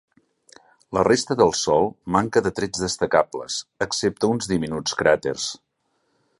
La resta del sòl manca de trets destacables, excepte uns diminuts cràters.